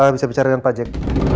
bisa bicara dengan pak jack